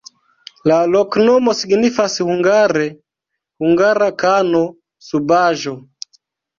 La loknomo signifas hungare: hungara-kano-subaĵo.